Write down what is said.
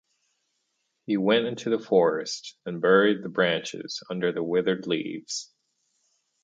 He went into the forest and buried the branch under withered leaves.